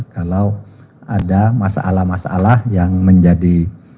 kalau ada masalah masalah yang menjadi